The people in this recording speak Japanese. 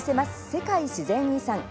世界自然遺産」。